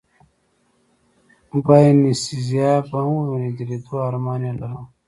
باینیسیزا به هم ووینې، د لېدو ارمان یې لرم.